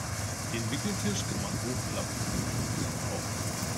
Den Wickeltisch kann man hochklappen, wenn man ihn nicht braucht.